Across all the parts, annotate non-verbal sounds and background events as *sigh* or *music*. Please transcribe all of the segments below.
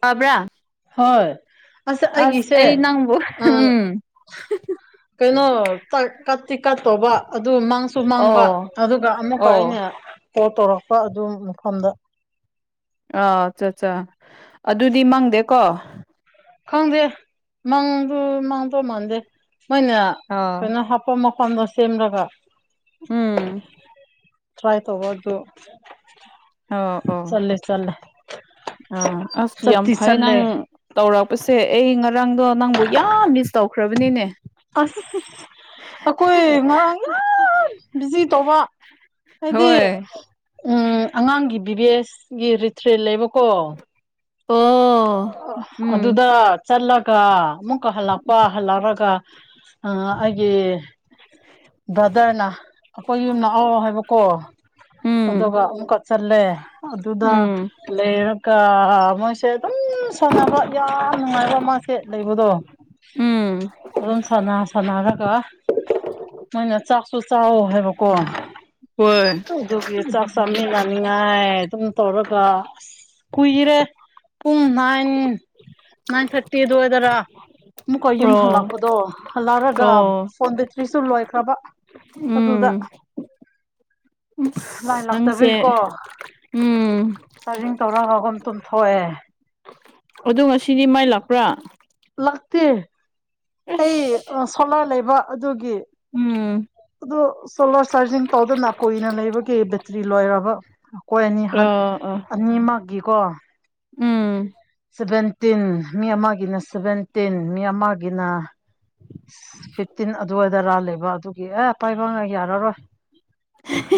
ꯄꯥꯕ꯭ꯔꯥ ꯍꯣꯏ ꯑꯁ ꯑꯩ ꯑꯩꯒꯤꯁꯦ ꯅꯪꯕꯣ ꯑ ꯎꯝ ꯀꯩꯅꯣ ꯀꯠꯇꯤ ꯀꯠꯇꯧꯕ ꯑꯗꯨ ꯃꯥꯡ ꯁꯨꯝ ꯃꯥꯡꯕ ꯑꯣ ꯑꯗꯨꯒ ꯑꯃꯨꯛꯀ ꯑꯣ ꯑꯩꯅ ꯀꯣꯜ ꯇꯧꯔꯛꯄ ꯑꯗꯨ ꯃꯐꯝꯗ ꯑꯥ ꯑꯠꯆꯥ ꯑꯠꯆꯥ ꯑꯗꯨꯗꯤ ꯃꯪꯗꯦꯀꯣ ꯈꯪꯗꯦ ꯃꯪꯗ ꯃꯥꯡꯗꯧ ꯃꯥꯟꯗꯦ ꯃꯣꯏꯅ ꯑ ꯀꯩꯅꯣ ꯍꯥꯄ ꯃꯐꯝꯗꯣ ꯁꯦꯝꯂꯒ ꯎꯝ ꯇ꯭ꯔꯥꯏ ꯇꯧꯕꯗꯨ ꯑꯣ ꯑꯣ ꯆꯂꯦ ꯑ ꯑꯁ ꯑꯝꯐꯥꯏ ꯆꯠꯂꯦ ꯅꯪ ꯇꯧꯔꯛꯄꯁꯦ ꯑꯩ ꯉꯔꯥꯡꯗꯣ ꯅꯪꯕꯨ ꯌꯥꯝ ꯃꯤꯁ ꯇꯧꯈ꯭ꯔꯕꯅꯤꯅꯦ ꯑꯣꯐ ꯑꯩꯈꯣꯏ ꯉꯔꯥꯡ ꯕꯤꯖꯤ ꯇꯧꯕ ꯍꯥꯏꯗꯤ ꯍꯣꯏ ꯎꯝ ꯑꯉꯥꯡꯒꯤ ꯕꯤꯚꯦꯁꯒꯤ ꯔꯤꯇ꯭ꯔꯔꯤ ꯂꯩꯕꯀꯣ ꯑꯣ ꯎꯝ ꯑꯗꯨꯗ ꯆꯠꯂꯒ ꯑꯃꯨꯛꯀ ꯍꯜꯂꯛꯄ ꯍꯜꯂꯛꯑꯒ ꯑꯩꯒꯤ ꯕ꯭ꯔꯗꯔꯅ ꯑꯩꯈꯣꯏ ꯌꯨꯝꯅ ꯑ ꯍꯥꯏꯕꯀꯣ ꯎꯝ ꯑꯗꯨꯒ ꯑꯃꯨꯛꯀ ꯆꯜꯂꯦ ꯑꯗꯨꯗ ꯎꯝ ꯂꯩꯔꯒ ꯃꯣꯏ ꯁꯦ ꯑꯗꯨꯝ ꯁꯥꯟꯅꯕ ꯌꯥꯝ ꯅꯨꯡꯉꯥꯏꯕ ꯃꯥꯁꯦ ꯂꯩꯕꯗꯣ ꯎꯝ ꯑꯗꯨꯝ ꯁꯅꯥ ꯁꯅꯥꯒ ꯀ ꯃꯣꯏꯅ ꯆꯥꯛꯁꯨ ꯆꯥ ꯍꯥꯏꯕꯀꯣ ꯍꯣꯏ ꯑꯗꯨꯒꯤ ꯆꯥꯛ ꯆꯥꯃꯤꯟꯅ ꯆꯅꯤꯡꯉꯥꯏ ꯑꯗꯨꯝ ꯇꯧꯔꯒ ꯑꯁ ꯀꯨꯏꯔꯦ ꯄꯨꯡ ꯅꯥꯏꯟ ꯅꯥꯏꯟ ꯊꯥꯔꯇꯤꯗ ꯑꯣꯏꯗꯔꯥ ꯑꯃꯨꯛꯀꯣ ꯌꯨꯝ ꯑꯣ ꯍꯜꯂꯛꯄꯗꯣ ꯍꯜꯂꯛꯑꯒ ꯑꯣ ꯐꯣꯟꯗꯇ꯭ꯔꯤꯁꯨ ꯂꯣꯏꯈ꯭ꯔꯕ ꯑꯗꯨꯗꯨꯗ ꯎꯝ ꯂꯥꯏ ꯑꯁ ꯅꯪꯁꯦ ꯂꯥꯛꯇꯕꯤꯒꯤꯀꯣ ꯎꯝ ꯆꯥꯔꯖꯤꯡ ꯇꯧꯔꯒꯒꯝ ꯇꯨꯝꯊꯣꯛꯑꯦ ꯑꯗꯣ ꯉꯁꯤꯗꯤ ꯃꯥꯏ ꯂꯥꯛꯄ꯭ꯔꯥ ꯂꯥꯛꯇꯦ ꯑꯩ ꯑꯁ ꯁꯣꯂꯥꯏ ꯂꯩꯕ ꯑꯗꯨꯒꯤ ꯎꯝ ꯑꯗꯨ ꯁꯣꯂꯥꯔ ꯆꯥꯔꯖꯤꯡ ꯇꯧꯗꯅ ꯀꯨꯏꯅ ꯂꯩꯕꯒꯤ ꯕꯦꯇ꯭ꯔꯤ ꯂꯣꯏꯔꯕ ꯀꯣꯏ ꯑꯅꯤ ꯑ ꯑ ꯑꯅꯤꯃꯛꯀꯤꯀꯣ ꯎꯝ ꯁꯚꯦꯟꯇꯤꯟ ꯃꯤ ꯑꯃꯒꯤꯅ ꯁꯚꯦꯟꯇꯤꯟ ꯃꯤ ꯑꯃꯒꯤꯅ ꯐꯤꯞꯇꯤꯟ ꯑꯗꯨꯋꯥꯏꯗ ꯔꯥꯜꯂꯦꯕ ꯑꯗꯨꯒꯤ ꯑꯦ ꯄꯥꯏꯕꯉ ꯌꯥꯔꯔꯣꯏ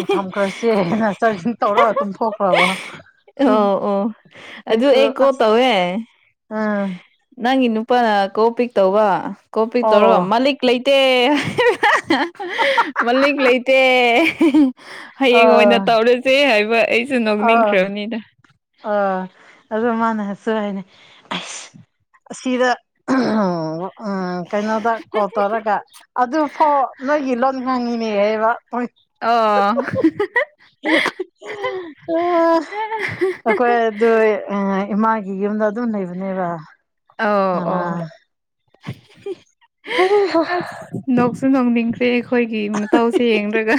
ꯎ ꯊꯝꯈ꯭ꯔꯁꯦ ꯅꯔꯁꯔꯤꯁꯤꯡ ꯇꯧꯔꯒ ꯑꯗꯨꯝ ꯊꯣꯛꯈ꯭ꯔꯕ ꯑꯣ ꯑꯣ ꯑꯗꯨ ꯑꯩꯁꯨ ꯑꯩ ꯀꯣ ꯑꯁ ꯇꯧꯋꯦ ꯎꯝ ꯅꯪꯒꯤ ꯅꯨꯄꯥꯅ ꯀꯣ ꯄꯛ ꯇꯧꯕ ꯀꯣ ꯄꯤꯛ ꯇꯧ ꯑꯣ ꯃꯥꯂꯤꯛ ꯂꯩꯇꯦ ꯃꯂꯤꯛ ꯂꯩꯇꯦ ꯍꯌꯦꯡ ꯑꯣꯏꯅ ꯑꯥ ꯇꯧꯔꯨꯁꯦ ꯍꯥꯏꯕ ꯑꯩꯁꯨ ꯅꯣꯛꯅꯤꯡꯈ꯭ꯔꯕꯅꯤꯗ ꯑ ꯑꯗꯨ ꯃꯥꯅꯁꯨ ꯍꯥꯏꯅꯦ ꯑꯁ ꯑꯁꯤꯗ ꯎ ꯀꯩꯅꯣꯗ ꯀꯣ ꯇꯧꯔꯒ ꯑꯗꯨꯐꯣ ꯅꯣꯏꯒꯤ ꯂꯣꯟ ꯉꯥꯡꯉꯤꯅꯦ ꯍꯥꯏꯕ ꯑꯣ ꯑꯥ ꯑꯩꯈꯣꯏ ꯑꯗꯨ ꯏꯃꯥꯒꯤ ꯌꯨꯝꯗ ꯑꯗꯨꯝ ꯂꯩꯕꯅꯦꯕ ꯑ ꯑꯣ ꯑꯥ ꯍ ꯍ ꯅꯣꯡꯁꯨ ꯅꯣꯡ ꯆꯦ ꯑꯩꯈꯣꯏꯒꯤ ꯃꯇꯧꯁꯦ ꯌꯦꯡꯔꯒ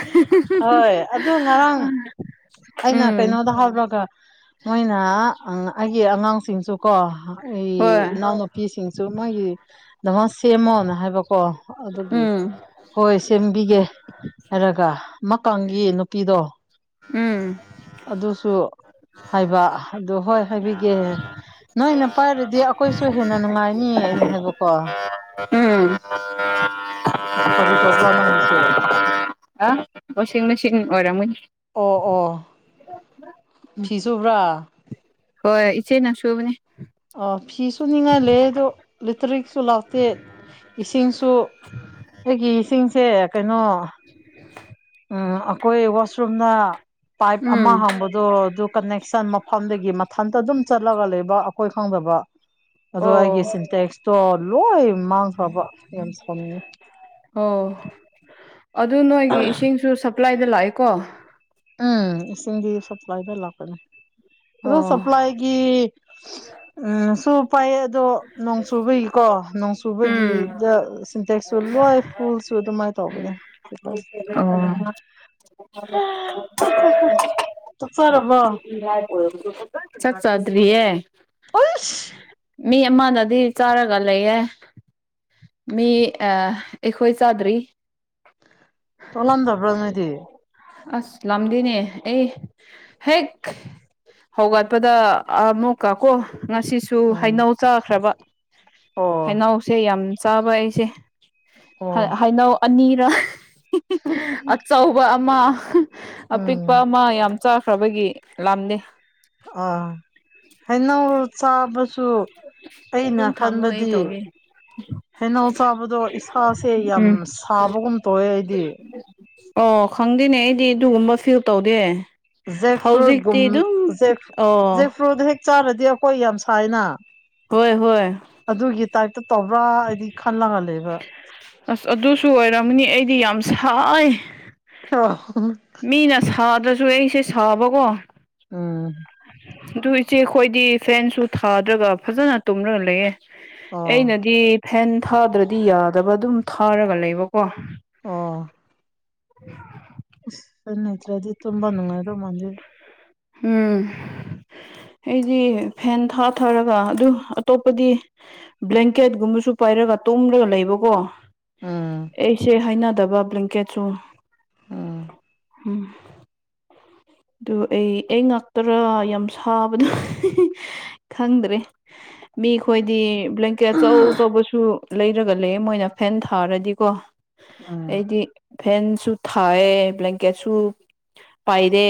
ꯍꯣꯏ ꯑꯗꯨ ꯉꯔꯥꯡ ꯎꯝ ꯑꯗꯨꯒ ꯃꯣꯏꯅ ꯑꯩꯒꯤ ꯑꯉꯥꯡꯁꯤꯡꯁꯨ ꯀꯣ ꯑꯩ ꯍꯣꯏ ꯏꯅꯥꯎꯅꯄꯤ ꯅꯨꯄꯤꯁꯤꯡꯁꯨ ꯃꯣꯏꯒꯤꯗꯃꯛ ꯁꯦꯝꯃꯣꯅ ꯍꯥꯏꯕꯀꯣ ꯑꯗꯨꯒꯤ ꯎꯝ ꯍꯣꯏ ꯁꯦꯝꯕꯤꯒꯦ ꯍꯥꯏꯔꯒ ꯑꯃꯀꯒꯤ ꯅꯨꯄꯤꯗꯣ ꯎꯝ ꯑꯗꯨꯁꯨ ꯍꯥꯏꯕ ꯑꯣ ꯍꯣꯏ ꯍꯥꯏꯕꯤꯒꯦ ꯅꯣꯏꯅ ꯄꯥꯏꯔꯗꯤ ꯑꯩꯈꯣꯏꯁꯨ ꯍꯦꯟꯅ ꯅꯨꯡꯉꯥꯏꯅꯤ ꯑꯩꯅ ꯍꯥꯏꯕꯀꯣ ꯎꯝ ꯀꯔꯤ ꯇꯧꯕ ꯅꯪꯒꯤꯁꯦ ꯑ ꯋꯥꯁꯤꯡ ꯃꯦꯆꯤꯟ ꯑꯣꯏꯔꯝꯃꯅꯤ ꯑꯣ ꯑꯣ ꯐꯤꯁꯨꯕ꯭ꯔꯥ ꯍꯣꯏ ꯏꯆꯦ ꯅꯪꯁꯨꯨꯕꯅꯦ ꯐꯤꯁꯨ ꯅꯤꯡꯉꯥꯏ ꯂꯩꯦ ꯑꯗꯣ ꯂꯤꯇꯔꯤꯛꯁꯨ ꯂꯥꯎꯇꯦ ꯏꯁꯤꯡꯁꯨ ꯑꯩꯒꯤ ꯏꯁꯤꯡꯁꯦ ꯀꯩꯅꯣ *unintelligible* ꯝ ꯑꯩꯈꯣꯏ ꯋꯥꯁꯔꯨꯝꯅ ꯄꯥꯏꯞ ꯎꯝ ꯑꯃ ꯍꯥꯡꯕ ꯑꯗꯣ ꯑꯗꯨ ꯀꯟꯅꯦꯛꯁꯟ ꯃꯐꯝꯗꯒꯤ ꯃꯊꯟꯇ ꯑꯗꯨꯝ ꯆꯠꯂꯒ ꯂꯩꯕ ꯑꯩꯈꯣꯏ ꯈꯪꯗꯕ ꯑꯗꯣ ꯑꯩꯒꯤ ꯑꯣ ꯁꯤꯟꯇꯦꯛꯁꯇꯣ ꯂꯣꯏ ꯃꯥꯡꯈ꯭ꯔꯕ ꯌꯥꯝ ꯁꯨꯝꯉ ꯑꯣ ꯑꯗꯨ ꯅꯣꯏꯒꯤ ꯏꯁꯤꯡꯁꯨ ꯁꯄ꯭ꯂꯥꯏꯗ ꯂꯥꯛꯑꯦꯀꯣ ꯎꯝ ꯏꯁꯤꯡꯒꯤ ꯁꯄ꯭ꯂꯥꯏ ꯂ ꯂꯥꯛꯄꯅꯤ ꯑ ꯑꯣ ꯁꯄ꯭ꯂꯥꯏꯒꯤ ꯎꯝ ꯁꯨ ꯄꯥꯏꯌꯦ ꯑꯗꯣ ꯅꯣꯡꯁꯨꯨꯕꯒꯤꯀꯣ ꯎꯝ ꯅꯣꯡꯁꯨꯨꯕꯒꯤꯗ ꯁꯤꯟꯇꯦꯛꯁꯨ ꯂꯣꯏ ꯐꯨꯜꯁꯨ ꯑꯗꯨꯃꯥꯏꯅ ꯇꯧꯕꯅꯦ ꯑꯣ ꯑ ꯆꯔꯕ ꯆꯠ ꯆꯗꯔꯤꯌꯦ ꯎꯏꯁ ꯃꯤ ꯑꯃꯅꯗꯤ ꯆꯥꯔꯒ ꯂꯩꯌꯦꯦ ꯃꯤ ꯑ ꯑꯩꯈꯣꯏ ꯆꯥꯗ꯭ꯔꯤ ꯇꯂꯝ ꯊꯕ꯭ꯔꯥ ꯅꯣꯏꯗꯤ ꯑꯁ ꯂꯝꯒꯅꯦ ꯑꯦ ꯍꯦꯛ ꯍꯧꯒꯠꯄꯗ ꯑꯃꯨꯛꯀꯀꯣ ꯉꯁꯤꯁꯨ ꯎꯝ ꯍꯩꯅꯎ ꯆꯥꯈ꯭ꯔꯕ ꯑꯣ ꯍꯩꯅꯎꯁꯦ ꯌꯥꯝ ꯆꯥꯕ ꯑꯩꯁꯦ ꯑꯣ ꯍꯥꯏꯩꯅꯧ ꯑꯅꯤꯔ ꯑꯆꯧꯕ ꯑꯃ ꯑꯄꯤꯛꯄ ꯎꯝ ꯑꯃ ꯌꯥꯝ ꯆꯥꯈ꯭ꯔꯕꯒꯤ ꯂꯝꯅꯦ ꯑ ꯍꯩꯅꯧ ꯆꯥꯕꯁꯨ ꯑꯩꯅ ꯑꯗꯨꯝ ꯊꯝꯃꯣ ꯑꯩ ꯈꯟꯕꯗꯤ ꯇꯧꯒꯦ ꯍꯩꯅꯥꯎ ꯆꯥꯕꯗꯣ ꯏꯁꯥꯁꯦ ꯌꯥꯝ ꯎꯝ ꯁꯥꯕꯒꯨꯝ ꯇꯧꯋꯦ ꯑꯩꯗꯤ ꯑꯣ ꯈꯪꯗꯦꯅꯦ ꯑꯩꯗꯤ ꯑꯗꯨꯒꯨꯝꯕ ꯐꯤꯜ ꯇꯧꯗꯦ ꯖꯦꯛ ꯍꯧꯖꯤꯛꯇꯤ ꯑꯗꯨꯝ ꯐ꯭ꯔꯨꯠꯨꯝꯖꯦꯛ ꯑꯣ ꯖꯦꯛ ꯐ꯭ꯔꯨꯗꯣ ꯍꯦꯛ ꯆꯥꯔꯗꯤ ꯑꯩꯈꯣꯏ ꯌꯥꯝ ꯁꯥꯏꯅ ꯍꯣꯏ ꯍꯣꯏ ꯑꯗꯨꯒꯤ ꯇꯥꯏꯞꯇ ꯇꯧꯕ꯭ꯔꯥ ꯍꯥꯏꯗꯤ ꯈꯜꯂꯒ ꯂꯩꯕ꯫ ꯑꯁ ꯑꯗꯨꯁꯨ ꯑꯣꯏꯔꯝꯅꯤ ꯑꯩꯗꯤ ꯌꯥꯝ ꯁꯥꯏ꯫ *unintelligible* ꯃꯤꯅ ꯁꯥꯗ꯭ꯔꯁꯨ ꯑꯩꯁꯦ ꯁꯥꯕꯀꯣ ꯎꯝ ꯑꯗꯨ ꯏꯆꯦ ꯑꯩꯈꯣꯏꯗꯤ ꯐꯦꯟꯁꯨ ꯊꯥꯗ꯭ꯔꯒ ꯐꯖꯅ ꯇꯨꯝꯔꯒ ꯂꯩꯌꯦ꯫ ꯑꯣ ꯑꯩꯅꯗꯤ ꯐꯦꯟ ꯊꯥꯗ꯭ꯔꯗꯤ ꯌꯥꯗꯕ ꯑꯗꯨꯝ ꯊꯥꯔꯒ ꯂꯩꯕꯀꯣ꯫ ꯑꯣ ꯑꯁ ꯑꯗꯨꯅꯥꯠꯠꯔꯗꯤ ꯇꯨꯝꯕꯥ꫰ꯅꯨꯡꯉꯥꯏꯗ ꯃꯅꯗꯦꯗꯥ꯫ ꯎꯝ ꯑꯩꯗꯤ ꯐꯦꯟ ꯊꯥꯊꯔꯒ ꯑꯗꯨ ꯑꯇꯣꯞꯄꯗꯤ ꯕ꯭ꯂꯦꯡꯀꯦꯠꯀꯨꯝꯕꯁꯨ ꯄꯥꯏꯔꯒ ꯇꯣꯝꯂꯒ ꯂꯩꯕꯀꯣ ꯎꯝ ꯑꯩꯁꯦ ꯍꯥꯏꯅꯗꯕ ꯕ꯭ꯂꯦꯡꯀꯦꯠꯁꯨ ꯎꯝ ꯎꯝ ꯑꯗꯨ ꯑꯩ ꯑꯩ ꯉꯥꯛꯇꯔꯥ ꯌꯥꯝ ꯁꯥꯕꯗꯣ ꯈꯪꯗ꯭ꯔꯦ꯫ ꯃꯤ ꯈꯈꯣꯏꯗꯤ ꯕ꯭ꯂꯦꯡꯀꯦꯠ ꯑꯧ ꯑꯧꯕꯁꯨ ꯂꯩꯔꯒ ꯂꯩ ꯃꯣꯏꯅ ꯐꯦꯟ ꯊꯥꯔꯗꯤꯀꯣ ꯎꯝ ꯑꯩꯗꯤ ꯐꯦꯟꯁꯨ ꯊꯥꯏꯑ ꯕ꯭ꯂꯦꯡꯀꯦꯠꯁꯨ ꯄꯥꯏꯔꯦ꯫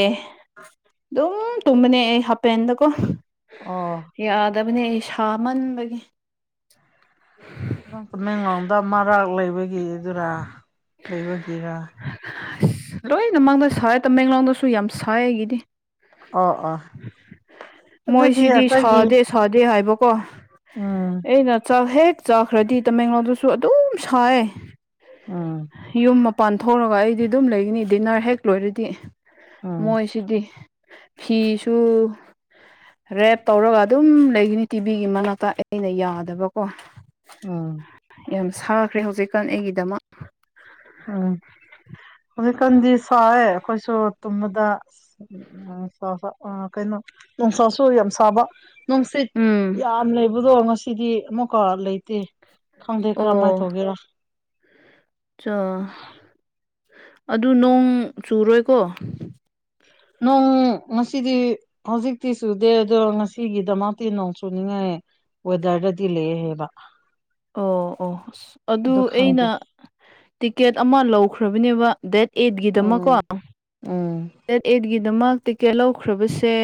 ꯑꯗꯨꯝ ꯇꯨꯝꯕꯅꯦ ꯑꯩ ꯍꯥꯄꯦꯟꯗꯀꯣ ꯑꯣ ꯌꯥꯗꯕꯅꯦ ꯁꯥꯃꯟꯕꯒꯤ꯫ ꯇꯃꯦꯡꯂꯥꯡꯗ ꯃꯔꯥꯛ ꯂꯩꯕꯒꯤꯗꯨꯔ ꯂꯩꯕꯒꯤꯔ ꯂꯣꯏꯅ ꯃꯥꯡꯗ ꯁꯔꯦ ꯇꯃꯦꯡꯂꯣꯡꯗꯁꯨ ꯌꯥꯝ ꯁꯥꯏ ꯑꯩꯒꯤꯗꯤ ꯑꯣ ꯑꯣ ꯑꯗꯨꯗꯤ ꯃꯣꯏꯁꯤꯗꯤ ꯑꯩꯈꯣꯏꯒꯤ ꯁꯗꯦ꯫ ꯁꯗꯤ ꯍꯥꯏꯕ ꯀꯣ ꯎꯝ ꯑꯦ ꯅ ꯆꯥꯛ ꯍꯦꯛ ꯆꯥꯈ꯭ꯔꯗꯤ ꯇꯃꯦꯡꯂꯣꯡꯗꯁꯨ ꯑꯗꯨꯝ ꯁꯥꯏꯌꯦ꯫ ꯎꯝ ꯌꯨꯝ ꯃꯄꯥꯟ ꯊꯣꯛꯂꯒ ꯑꯩꯗꯤ ꯑꯗꯨꯝ ꯂꯩꯒꯅꯤ ꯗꯤꯟꯅꯔ ꯍꯦꯛ ꯂꯣꯏꯔꯗꯤ꯫ ꯎꯝ ꯃꯣꯏꯁꯤꯗꯤ ꯐꯤꯁꯨ ꯔꯦꯞ ꯇꯧꯔꯒ ꯑꯗꯨꯝ ꯂꯩꯒꯅꯤ ꯇꯤꯚꯤꯒꯤ ꯃꯅꯥꯛꯇ ꯑꯩꯅ ꯌꯥꯗꯕꯀꯣ ꯎꯝ ꯌꯥꯝ ꯁꯥꯈ꯭ꯔꯦ ꯍꯧꯖꯤꯛꯀꯥꯟ ꯑꯩꯒꯤꯗꯃꯛ ꯎꯝ ꯍꯧꯖꯤꯛꯀꯥꯟꯗꯤ ꯁꯔꯦ ꯑꯩꯈꯣꯏꯁꯨ ꯇꯨꯝꯕꯗ ꯎꯝ ꯎ ꯑ ꯀꯩꯅꯣ ꯅꯨꯡꯁꯥꯁꯨ ꯌꯥꯝ ꯁꯥꯕ ꯅꯨꯡꯁꯤꯠ ꯎꯝ ꯌꯥꯝ ꯂꯩꯕꯗꯣ ꯉꯁꯤꯗꯤ ꯑꯃꯨꯛꯀ ꯂꯩꯇꯦ꯫ ꯈꯪꯗꯦ ꯀ꯭ꯔꯝꯃꯥꯏ ꯑꯣ ꯇꯒꯦꯔꯣ ꯑꯗꯨ ꯅꯣꯡ ꯆꯨꯔꯣꯏꯀꯣ ꯅꯣꯡ ꯉꯁꯤꯗꯤ ꯍꯧꯖꯤꯛꯇꯤ ꯆꯨꯗꯦ ꯑꯗꯣ ꯉꯁꯤꯒꯤꯗꯃꯛꯇꯤ ꯅꯣꯡ ꯆꯨꯅꯤꯡꯉꯥꯏ ꯑꯣꯗꯔꯗꯗꯤ ꯂꯩꯍꯦꯕ ꯑꯣ ꯑꯣ ꯑꯁ ꯑꯗꯨ ꯑꯩꯅ ꯇꯤꯀꯦꯠ ꯑꯃ ꯂꯧꯈ꯭ꯔꯕꯅꯦꯕ ꯗꯦꯠ ꯑꯩꯠꯀꯤꯗꯃꯀꯣ ꯎꯝ ꯎꯝ ꯗꯦꯠ ꯑꯩꯠꯀꯤꯗꯃꯛ ꯇꯤꯀꯦꯠ ꯂꯧꯈ꯭ꯔꯕꯁꯦ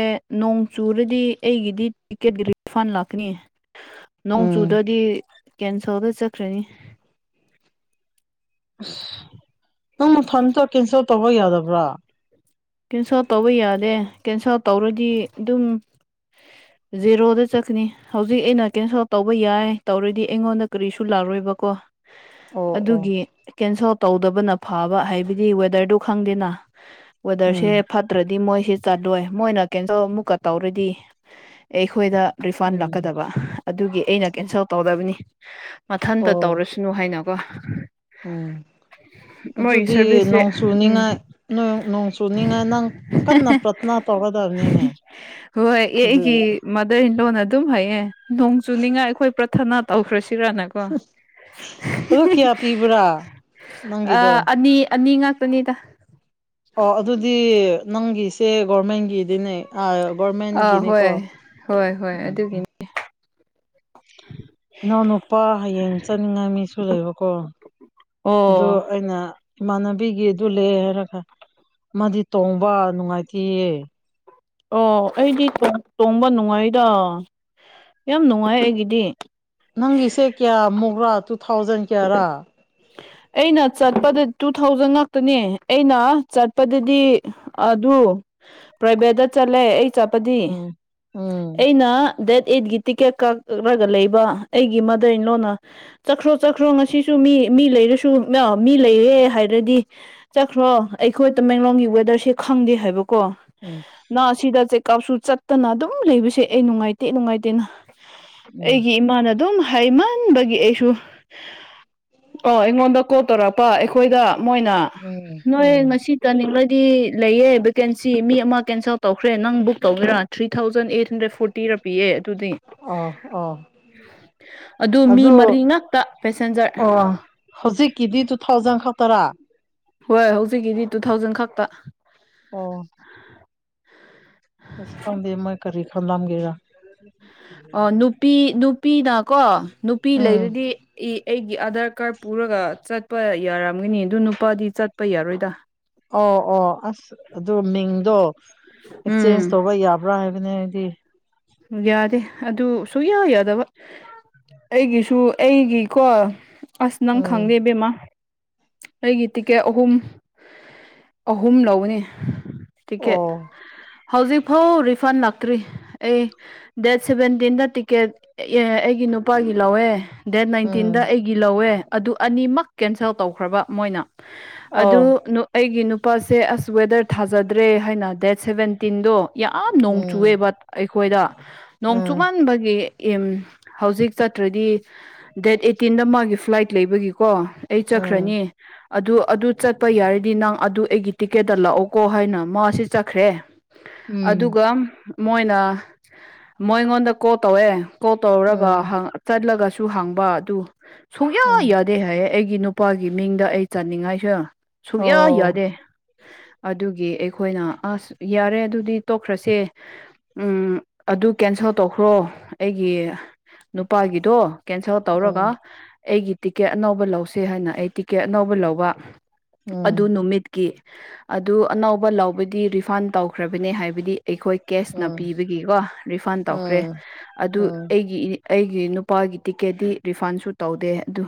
ꯅꯣꯡ ꯆꯨꯔꯗꯤ ꯑꯩꯒꯤꯗꯤ ꯇꯤꯀꯦꯠ ꯔꯤꯐꯥꯟ ꯂꯥꯛꯀꯅꯤ꯫ *inaudible* ꯅꯣꯡꯆꯨꯗꯗꯤ ꯀꯦꯟꯁꯦꯜꯗ ꯆꯠꯈ꯭ꯔꯅꯤ꯫ ꯑꯁ ꯅꯪ ꯅꯊꯟꯇ ꯀꯦꯟꯁꯦꯜ ꯇꯧꯕ ꯌꯥꯗꯕ꯭ꯔꯥ ꯀꯦꯟꯁꯦꯜ ꯇꯧꯕ ꯌꯥꯗꯦ ꯀꯦꯟꯁꯦꯜ ꯇꯧꯔꯗꯤ ꯑꯗꯨꯝ *inaudible* ꯖꯦꯔꯣꯗ ꯆꯠꯀꯅꯤ ꯍꯧꯖꯤꯛ ꯑꯩꯅ ꯀꯦꯟꯁꯦꯜ ꯇꯧꯕ ꯌꯥꯏ ꯇꯧꯔꯗꯤ ꯑꯩꯉꯣꯟꯗ ꯀꯔꯤꯁꯨ ꯂꯥꯛꯔꯣꯏꯕꯀꯣ ꯑꯣ ꯑꯣ ꯑꯗꯨꯒꯤ ꯀꯦꯟꯁꯦꯜ ꯇꯧꯗꯕꯅ ꯐꯕ ꯍꯥꯏꯕꯗꯤ ꯋꯦꯗꯔꯗꯨ ꯈꯪꯗꯦꯅ ꯋꯦꯗꯔꯁꯦ ꯎꯝ ꯐꯠꯇ꯭ꯔꯗꯤ ꯃꯣꯏꯁꯤ ꯆꯠꯂꯣꯏ ꯃꯣꯏꯅ ꯀꯦꯟꯁꯦꯜ ꯑꯃꯨꯛꯀ ꯇꯧꯔꯗꯤ ꯑꯩꯈꯣꯏꯗ ꯔꯤꯐꯟ ꯎꯝ ꯂꯥꯛꯀꯗꯕ ꯑꯗꯨꯒꯤ ꯑꯩꯅ ꯀꯦꯟꯁꯦꯜ ꯇꯧꯗꯕꯅꯤ ꯃꯊꯟꯇ ꯑꯣ ꯇꯧꯔꯁꯅꯨ ꯍꯥꯏꯅ ꯀꯣ ꯎꯝ ꯑꯗꯨꯗꯤ ꯁꯔꯚꯤꯁꯁꯦ ꯅꯣꯡ ꯎꯝ ꯆꯨꯅꯤꯉꯥꯏ ꯅꯣꯏ ꯅꯣꯡ ꯇꯨꯅꯤꯡꯉꯥꯏ ꯅꯪ ꯀꯟꯅ ꯄ꯭ꯔꯊꯅ ꯇꯧꯒꯗꯕꯅꯤꯅꯦ ꯍꯣꯏ ꯌꯦ ꯑꯩ ꯒꯤ ꯑꯗꯨꯗꯤ ꯃꯗꯔ ꯏꯟ ꯂꯣꯅ ꯑꯗꯨꯝ ꯍꯥꯏꯌꯦ ꯅꯣꯡ ꯆꯨꯅꯤꯡꯉꯥꯏ ꯑꯩꯈꯣꯏ ꯄ꯭ꯔꯊꯅꯥ ꯇꯧꯈ꯭ꯔꯁꯤꯔꯅ ꯀꯣ ꯑꯗꯨ ꯀꯌꯥ ꯄꯤꯕ꯭ꯔꯥ ꯑ ꯅꯪꯒꯤꯗꯣ ꯑꯅꯤ ꯑꯅꯤ ꯉꯥꯛ ꯇꯨꯅꯤꯗ ꯑꯣ ꯑꯗꯨꯗꯤ ꯅꯪꯒꯤꯁꯦ ꯒꯣꯔꯃꯦꯟꯒꯤꯗꯤꯅꯦ ꯑꯥ ꯑꯥ ꯒꯣꯔꯃꯦꯟꯒꯤꯅꯤꯀꯣ ꯎꯝ ꯎꯝ ꯑꯦ ꯏꯅꯥꯎ ꯅꯨꯄꯥ ꯍꯌꯦꯡ ꯆꯠꯅꯤꯡꯉꯥꯏ ꯃꯤꯁꯨ ꯂꯩꯕꯀꯣ ꯑꯗꯨ ꯑꯣ ꯑꯩꯅ ꯏꯃꯥꯟꯅꯕꯤꯒꯤ ꯑꯗꯨ ꯂꯩ ꯍꯥꯏꯔꯒ ꯃꯥꯗꯤ ꯇꯣꯡꯕ ꯅꯨꯡꯉꯥꯏꯇꯦꯌꯦ ꯑꯣ ꯑꯩꯗꯤ ꯇꯣꯡ ꯇꯣꯡꯕ ꯅꯨꯡꯉꯥꯏꯗ ꯌꯥꯝ ꯅꯨꯡꯉꯥꯏ ꯑꯩꯒꯤꯗꯤ ꯅꯪꯒꯤꯁꯦ ꯀꯌꯥꯃꯨꯛꯔꯥ ꯇꯨ ꯊꯥꯎꯖꯟ ꯀꯌꯥꯔꯥ ꯑꯩꯅ ꯆꯠꯄꯗ ꯇꯨ ꯊꯥꯎꯖꯟ ꯉꯥꯛꯇꯅꯦ ꯑꯩꯅ ꯆꯠꯄꯗꯗꯤ ꯑꯗꯨ ꯄ꯭ꯔꯥꯏꯚꯦꯠꯇ ꯆꯠꯂꯦ ꯑꯩ ꯆꯠꯄꯗꯤ ꯎꯝ ꯎꯝ ꯑꯩꯅ ꯗꯦꯠ ꯑꯩꯠꯀꯤ ꯇꯤꯀꯦꯠ ꯀꯛꯔꯒ ꯂꯩꯕ ꯑꯩꯒꯤ ꯃꯗꯔ ꯏꯟꯂꯣꯅ ꯆꯈ꯭ꯔꯨꯠ ꯆꯠꯈ꯭ꯔꯣ ꯉꯁꯤꯁꯨ ꯃꯤ ꯃꯤ ꯂꯩꯔꯁꯨ ꯅ ꯃꯤ ꯂꯩꯔꯦ ꯍꯥꯏꯔꯗꯤ ꯆꯠꯈ꯭ꯔꯣ ꯑꯩꯈꯣꯏ ꯇꯃꯦꯡꯂꯣꯡꯒꯤ ꯋꯦꯗꯔꯁꯦ ꯈꯪꯗꯦ ꯍꯥꯏꯕꯀꯣ ꯎꯝ ꯅ ꯁꯤꯗ ꯆꯦꯛꯀꯥꯞꯁꯨ ꯆꯠꯇꯅ ꯑꯗꯨꯝ ꯂꯩꯕꯁꯦ ꯑꯩ ꯅꯨꯡꯉꯥꯏꯇꯦ ꯅꯨꯡꯉꯥꯏꯇꯦꯅ ꯎꯝ ꯑꯩꯒꯤ ꯏꯃꯥꯅ ꯑꯗꯨꯝ ꯍꯥꯏꯃꯟꯕꯒꯤ ꯑꯩꯁꯨ ꯑꯣ ꯑꯩꯉꯣꯟꯗ ꯀꯣꯜ ꯇꯧꯔꯛꯄ ꯑꯩꯈꯣꯏꯗ ꯃꯣꯏꯅ ꯎꯝ ꯅꯣꯏ ꯎꯝ ꯉꯁꯤ ꯆꯅꯤꯡꯂꯗꯤ ꯂꯩꯌꯦ ꯕꯦꯀꯦꯟꯁꯤ ꯃꯤ ꯑꯃ ꯀꯦꯟꯁꯦꯜ ꯇꯧꯈ꯭ꯔꯦ ꯅꯪ ꯕꯨꯛ ꯇꯧꯒꯦꯔꯥ three thousand eight hundred forty ꯄꯤꯌꯦ ꯑꯗꯨꯗꯤ ꯑꯣ ꯑꯣ ꯑꯗꯨ ꯃꯤ ꯃꯔꯤ ꯉꯥꯛꯇ ꯄꯦꯁꯦꯟꯖꯔ ꯑꯣ ꯍꯧꯖꯤꯛꯀꯤꯗꯤ ꯇꯨ ꯊꯥꯎꯖꯟ ꯈꯛꯇꯔꯥ ꯍꯣꯏ ꯍꯧꯖꯤꯛꯀꯤꯗꯤ ꯇꯨ ꯊꯥꯎꯖꯟ ꯈꯛꯇ ꯑꯣ ꯑꯁ ꯈꯪꯗꯦ ꯃꯣꯏ ꯀꯔꯤ ꯈꯟꯂꯝꯒꯦꯔ ꯑꯣ ꯅꯨꯄꯤ ꯅꯨꯄꯤꯅ ꯀꯣ ꯅꯨꯄꯤ ꯎꯝ ꯂꯩꯔꯗꯤ ꯑꯦ ꯑꯩꯒꯤ ꯑꯥꯙꯔ ꯀꯥꯔꯗ ꯄꯨꯔꯒ ꯆꯠꯄ ꯌꯥꯔꯝꯒꯅꯤ ꯑꯗꯨ ꯅꯨꯄꯥꯗꯤ ꯆꯠꯄ ꯌꯥꯔꯣꯏꯗ ꯑꯣ ꯑꯣ ꯑꯁ ꯑꯗꯨ ꯃꯤꯡꯗꯣ ꯑꯦꯛꯆꯦꯟꯖ ꯎꯝ ꯇꯧꯕ ꯌꯥꯕ꯭ꯔꯥ ꯍꯥꯏꯕꯅꯤ ꯍꯥꯏꯗꯤ ꯌꯥꯗꯦ ꯑꯗꯨ ꯁꯨꯛꯌꯥ ꯌꯥꯗꯕ ꯑꯩꯒꯤꯁꯨ ꯑꯩꯒꯤ ꯀꯣ ꯑꯁ ꯅꯪ ꯎꯝ ꯈꯪꯗꯦꯏꯕꯦꯝꯃ ꯑꯩꯒꯤ ꯇꯤꯛꯀꯦꯠ ꯑꯍꯨꯝ ꯑꯍꯨꯝ ꯂꯧꯒꯅꯤ ꯇꯤꯛꯀꯦꯠ ꯑꯣ ꯍꯧꯖꯤꯛꯐꯥꯎ ꯔꯤꯐꯟ ꯂꯥꯛꯇ꯭ꯔꯤ ꯑꯩ ꯗꯦꯠ ꯁꯦꯚꯦꯟꯇꯤꯟꯗ ꯇꯤꯀꯦꯠ ꯏꯑꯦ ꯑꯩꯒꯤ ꯅꯨꯄꯥꯒꯤ ꯂꯧꯋꯦ ꯗꯦꯠ ꯅꯥꯏꯟꯇꯤꯟꯗ ꯎꯝ ꯑꯩꯒꯤ ꯂꯧꯋꯦ ꯑꯗꯨ ꯑꯅꯤꯃꯛ ꯀꯦꯟꯁꯦꯜ ꯇꯧꯈ꯭ꯔꯕ ꯃꯣꯏꯅ ꯑꯗꯨ ꯑꯣ ꯅꯨ ꯑꯩꯒꯤ ꯅꯨꯄꯥꯁꯦ ꯑꯁ ꯋꯦꯗꯔ ꯊꯥꯖꯗ꯭ꯔꯦ ꯍꯥꯏꯅ ꯗꯦꯠ ꯁꯚꯦꯟ ꯇꯤꯟꯗꯣ ꯌꯥꯝ ꯅꯣꯡ ꯎꯝ ꯆꯨꯑꯦꯕ ꯑꯩꯈꯣꯏꯗ ꯅꯣꯡ ꯎꯝ ꯆꯨꯃꯟꯕꯒꯤ ꯑꯦꯝ ꯍꯧꯖꯤꯛ ꯆꯠꯇ꯭ꯔꯗꯤ ꯗꯦꯠ ꯑꯦꯠꯇꯤꯟꯗ ꯃꯥꯒꯤ ꯐ꯭ꯂꯥꯏꯠ ꯂꯩꯕꯒꯤ ꯀꯣ ꯑꯩ ꯎꯝ ꯆꯠꯈ꯭ꯔꯅꯤ ꯑꯗꯨ ꯑꯗꯨ ꯆꯠꯄ ꯌꯥꯔꯗꯤ ꯅꯪ ꯑꯗꯨ ꯑꯩꯒꯤ ꯇꯤꯛꯀꯦꯠꯇ ꯂꯥꯛꯎꯀꯣ ꯍꯥꯏꯅ ꯃꯥꯁꯤ ꯆꯠꯈ꯭ꯔꯦ ꯎꯝ ꯑꯗꯨꯒ ꯃꯣꯏꯅ ꯃꯣꯏꯉꯣꯟꯗ ꯀꯣꯜ ꯇꯧꯋꯦ ꯀꯣꯜ ꯇꯧꯔꯒ ꯎꯝ ꯍꯪꯉ ꯆꯠꯂꯒꯁꯨ ꯇꯨ ꯍꯪꯕ ꯑꯗꯨ ꯁꯨꯡꯌꯥ ꯎꯝ ꯌꯥꯗꯦ ꯍꯥꯏꯌꯦ ꯑꯩꯒꯤ ꯅꯨꯄꯥꯒꯤ ꯃꯤꯡꯗ ꯑꯩ ꯆꯥꯅꯤꯡꯉꯥꯏꯁꯦ ꯁꯨꯛꯌꯥ ꯑꯣ ꯌꯥꯗꯦ ꯑꯗꯨꯒꯤ ꯑꯩꯈꯣꯏꯅ ꯑꯁ ꯌꯥꯔꯦ ꯑꯗꯨꯗꯤ ꯇꯣꯛꯈ꯭ꯔꯁꯦ ꯎꯝ ꯑꯗꯨ ꯀꯦꯟꯁꯦꯜ ꯇꯧꯈ꯭ꯔꯣ ꯑꯩꯒꯤ ꯅꯨꯄꯥꯒꯤꯗꯣ ꯀꯦꯟꯁꯦꯜ ꯇꯧꯔꯒ ꯎꯝ ꯑꯩꯒꯤ ꯇꯤꯛꯀꯦꯠ ꯑꯅꯧꯕ ꯂꯧꯁꯦ ꯍꯥꯏꯅ ꯑꯩ ꯇꯤꯛꯀꯦꯠ ꯑꯅꯧꯕ ꯂꯧꯕ ꯑꯗꯨ ꯎꯝ ꯅꯨꯃꯤꯠ ꯀꯤ ꯑꯗꯨ ꯑꯅꯧꯕ ꯂꯧꯕꯗꯤ ꯔꯤꯐꯟ ꯇꯧꯈ꯭ꯔꯕꯅꯦ ꯍꯥꯏꯕꯗꯤ ꯑꯩꯈꯣꯏ ꯀꯦꯁꯅ ꯎꯝ ꯄꯤꯕꯒꯤꯀꯣ ꯔꯤꯐꯟ ꯇꯧꯈ꯭ꯔꯦ ꯎꯝ ꯑꯗꯨ ꯑꯩꯒꯤ ꯑꯩꯒꯤ ꯅꯨꯄꯥꯒꯤ ꯇꯤꯛꯀꯦꯠꯗꯤ ꯔꯤꯐꯟꯁꯨ ꯇꯧꯗꯦ ꯑꯗꯨ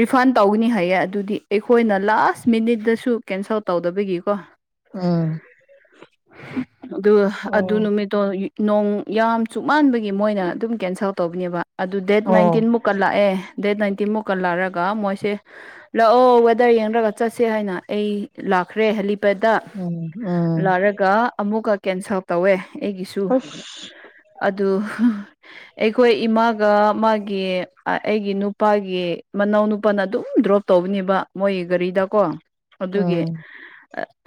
ꯔꯤꯐꯟ ꯇꯧꯒꯅꯤ ꯍꯥꯏꯌꯦ ꯑꯗꯨꯗꯤ ꯑꯩꯈꯣꯏꯅ ꯂꯥꯁ ꯃꯤꯅꯤꯠꯇꯁꯨ ꯀꯦꯟꯁꯦꯜ ꯇꯧꯗꯕꯒꯤꯀꯣ ꯎꯝ ꯑ ꯑꯗꯨ ꯑꯣ ꯅꯨꯃꯤꯠꯇꯣ ꯅꯣꯡ ꯌꯥꯝ ꯆꯨꯞ ꯃꯟꯥꯟꯕꯒꯤ ꯃꯣꯏꯅ ꯑꯗꯨꯝ ꯀꯦꯟꯁꯦꯜ ꯇꯧꯕꯅꯦꯕ ꯑꯗꯨ ꯗꯦꯠ ꯑꯣ ꯅꯥꯏꯟꯇꯤꯟ ꯃꯨꯛꯀ ꯂꯥꯛꯑꯦ ꯗꯦꯠ ꯅꯥꯏꯟꯇꯤꯟ ꯃꯨꯛꯀ ꯂꯥꯛꯑꯒ ꯃꯣꯏꯁꯦ ꯂꯥꯛꯑꯣ ꯋꯦꯗꯔ ꯌꯦꯡꯔꯒ ꯆꯠꯁꯦ ꯍꯥꯏꯅ ꯑꯩ ꯂꯥꯛꯈ꯭ꯔꯦ ꯍ ꯄꯦꯗ ꯎꯝ ꯎꯝ ꯂꯥꯔꯒ ꯑꯃꯨꯛꯀ ꯀꯦꯟꯁꯦꯜ ꯇꯧꯋꯦ ꯑꯩꯒꯤꯁꯨ ꯑꯣ ꯑꯗꯨ ꯑꯩꯈꯣꯏ ꯏꯃꯥꯒ ꯃꯥꯒꯤ ꯑꯩꯒꯤ ꯅꯨꯄꯥꯒꯤ ꯃꯅꯥꯎ ꯅꯨꯄꯥꯅ ꯑꯗꯨꯝ ꯗ꯭ꯔꯣꯞ ꯇꯧꯕꯅꯦꯕ ꯃꯣꯏ ꯒꯥꯔꯤꯗꯀꯣ ꯑꯗꯨꯒꯤ ꯎꯝ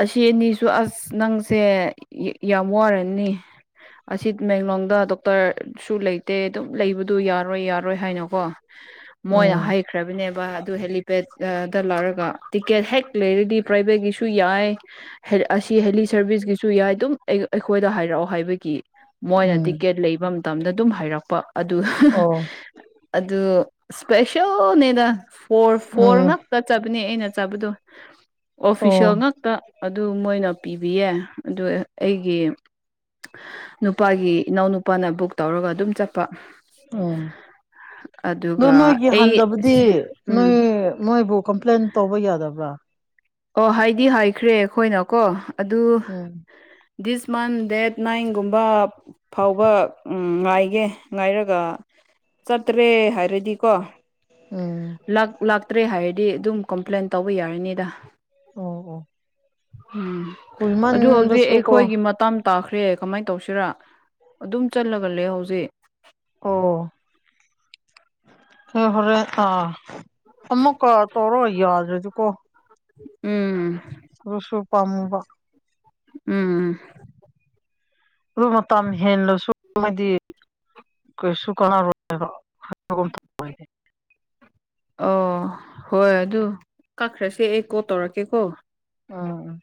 ꯑꯁꯤ ꯑꯅꯤꯁꯨ ꯑꯁ ꯅꯪꯁꯦ ꯌꯥꯎ ꯔꯅꯤ ꯑꯁꯤꯃꯦꯡꯂꯣꯡꯗ ꯗꯣꯛꯇꯔꯁꯨ ꯂꯩꯇꯦ ꯑꯗꯨꯝ ꯂꯩꯕꯗꯨ ꯌꯥꯔꯣꯏ ꯌꯥꯔꯣꯏ ꯍꯥꯏꯅꯀꯣ ꯃꯣꯏꯅ ꯎꯝ ꯍꯩꯈ꯭ꯔꯕꯅꯦꯕ ꯑꯗꯨ ꯍꯦꯂꯤꯄꯦꯗꯗ ꯂꯧꯔꯒ ꯇꯤꯛꯀꯦꯠ ꯍꯦꯛ ꯂꯩꯔꯗꯤ ꯄ꯭ꯔꯥꯏꯚꯦꯠꯀꯤꯁꯨ ꯌꯥꯏ ꯑꯁꯤ ꯍꯦꯜꯂꯤ ꯁꯥꯔꯚꯤꯁꯀꯤꯁꯨ ꯌꯥꯏ ꯑꯗꯨꯝ ꯑꯩꯈꯣꯏꯗ ꯍꯥꯏꯔꯛꯑꯣ ꯍꯥꯏꯕꯒꯤ ꯃꯣꯏꯅ ꯎꯝ ꯇꯤꯛꯀꯦꯠ ꯂꯩꯕ ꯃꯇꯝꯗ ꯑꯗꯨꯝ ꯍꯥꯏꯩꯔꯛꯄ ꯑꯗꯨ ꯑꯣ ꯑꯗꯨ ꯏꯁꯄꯦꯁꯦꯜꯅꯦꯅ ꯐꯣꯔ ꯐꯣꯔ ꯎꯝ ꯉ ꯆꯠꯆꯕꯅꯦ ꯑꯩꯅ ꯆꯥꯕꯗꯣ ꯑꯣꯐꯤꯁꯦꯜ ꯑꯣ ꯉꯥꯛꯇ ꯑꯗꯨ ꯃꯣꯏꯅ ꯄꯤꯕꯤꯌꯦ ꯑꯗꯨ ꯑꯩꯒꯤ ꯅꯨꯄꯥꯒꯤ ꯏꯅꯥꯎ ꯅꯨꯄꯥꯅ ꯕꯨꯛ ꯇꯧꯔꯒ ꯑꯗꯨꯝ ꯆꯠꯄ ꯑꯣ ꯑꯣ ꯑꯗꯨꯒ ꯅꯣꯏꯒꯤ ꯑꯩ ꯍꯟꯊꯕꯨꯗꯤ ꯎꯝ ꯅꯣꯏ ꯅꯣꯏꯕꯨ ꯀꯝꯄ꯭ꯂꯦꯟ ꯇꯧꯕ ꯌꯥꯗꯕ꯭ꯔꯥ ꯑꯣ ꯍꯥꯏꯗꯤ ꯍꯥꯏꯈ꯭ꯔꯦ ꯑꯩꯈꯣꯏꯅ ꯀꯣ ꯑꯗꯨ ꯎꯝ ꯗꯤꯁ ꯃꯟ ꯗꯦꯠ ꯅꯥꯏꯟꯒꯨꯝꯕ ꯐꯥꯎꯕ ꯎꯝ ꯉꯥꯏꯒꯦ ꯉꯥꯏꯔꯒ ꯆꯠꯇ꯭ꯔꯦ ꯍꯥꯏꯔꯗꯤꯀꯣ ꯎꯝ ꯂꯥꯛꯇ꯭ꯔꯦ ꯍꯥꯏꯔꯗꯤ ꯑꯗꯨꯝ ꯀꯝꯄ꯭ꯂꯦꯟ ꯇꯧꯕ ꯌꯥꯔꯅꯤꯗ ꯑꯣ ꯑꯣ ꯎꯝ ꯑꯗꯨ ꯍꯧꯖꯤꯛ ꯀꯨꯏꯃꯟꯕꯁꯨꯀꯣ ꯑꯩꯈꯣꯏꯒꯤ ꯃꯇꯝ ꯇꯥꯈ꯭ꯔꯦ ꯀꯃꯥꯏꯅ ꯇꯧꯁꯤꯔ ꯑꯗꯨꯝ ꯆꯠꯂꯒ ꯂꯩ ꯍꯧꯖꯤꯛ ꯑꯣ ꯍ ꯍꯣꯔꯦ ꯑꯥ ꯑꯃꯃꯀ ꯆꯔꯣ ꯌꯥꯗꯔꯦꯗꯨꯀꯣ ꯎꯝ ꯔꯨꯁꯨ ꯄꯝꯃꯕ ꯎꯝ ꯑꯗꯨ ꯃꯇꯝ ꯍꯦꯜꯂꯁꯨ ꯍꯥꯏꯗꯤ ꯀꯩꯁꯨ ꯀꯥꯟꯅꯔꯣꯏꯕ ꯑꯣ ꯍꯣꯏ ꯑꯗꯨ ꯀꯥꯈ꯭ꯔꯁꯦ ꯑꯩ ꯀꯣꯜ ꯇꯧꯔꯛꯀꯦꯀꯣ ꯑꯣ